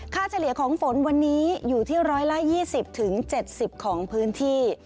เฉลี่ยของฝนวันนี้อยู่ที่๑๒๐๗๐ของพื้นที่